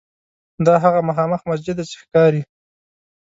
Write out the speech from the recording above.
دا هغه مخامخ مسجد دی چې ښکاري.